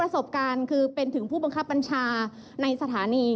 เรามีการปิดบันทึกจับกลุ่มเขาหรือหลังเกิดเหตุแล้วเนี่ย